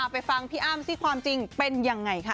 ไปฟังพี่อ้ำสิความจริงเป็นยังไงค่ะ